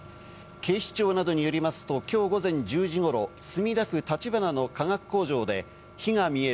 警視庁などによりますと、今日午前１０時頃、墨田区立花の化学工場で火が見える。